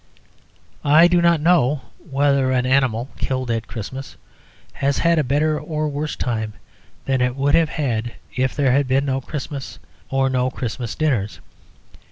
I do not know whether an animal killed at Christmas has had a better or a worse time than it would have had if there had been no Christmas or no Christmas dinners.